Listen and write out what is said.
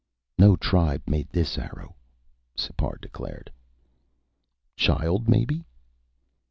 "No tribe made this arrow," Sipar declared. "Child, maybe?"